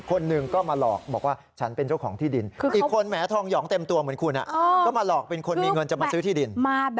คนหนึ่งก็มาหลอกบอกว่าฉันเป็นเจ้าของที่ดิน